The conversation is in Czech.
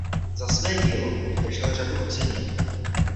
Za své dílo obdržel řadu ocenění.